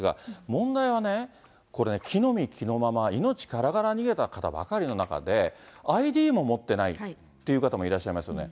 問題はね、これね、着のみ着のまま、命からがら逃げたばかりの中で、ＩＤも持ってないという方もいらっしゃいますよね。